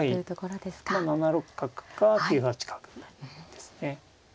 ７六角か９八角ですね。